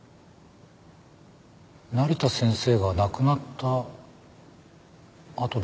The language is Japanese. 成田先生が亡くなったあとでした。